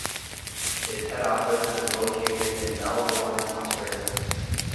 Its head office is located in Melbourne, Australia.